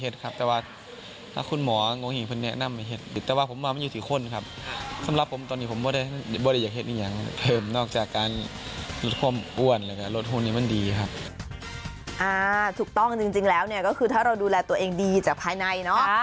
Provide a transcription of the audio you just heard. ถูกต้องจริงแล้วเนี่ยก็คือถ้าเราดูแลตัวเองดีจากภายในเนอะ